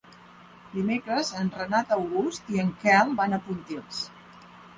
Dimecres en Renat August i en Quel van a Pontils.